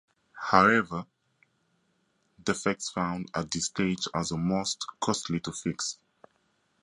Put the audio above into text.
However, defects found at this stage are the most costly to fix.